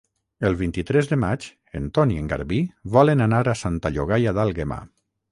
El vint-i-tres de maig en Ton i en Garbí volen anar a Santa Llogaia d'Àlguema.